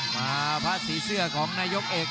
มาพระสีเสื้อของนายกเอก